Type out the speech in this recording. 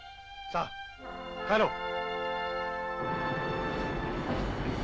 さあ帰ろう。